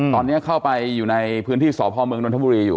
ตอนนี้เข้าไปอยู่ในพื้นที่สพเมืองนทบุรีอยู่